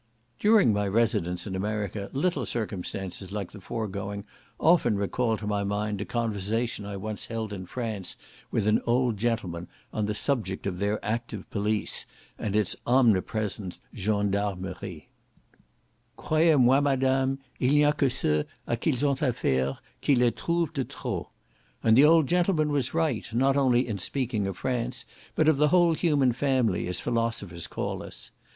During my residence in America, little circumstances like the foregoing often recalled to my mind a conversation I once held in France with an old gentleman on the subject of their active police, and its omnipresent gens d'armerie; "Croyez moi, Madame, il n'y a que ceux, à qui ils ont à faire, qui les trouvent de trop." And the old gentleman was right, not only in speaking of France, but of the whole human family, as philosophers call us.